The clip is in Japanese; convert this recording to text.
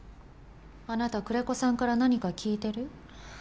あなた久連木さんから何か聞いてる？